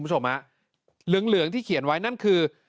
เหลืองที่เขียนไว้นั่นคือ